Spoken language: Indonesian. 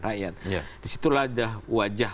rakyat disitulah wajah